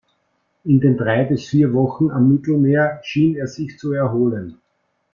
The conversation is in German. In den drei bis vier Wochen am Mittelmeer schien er sich zu erholen.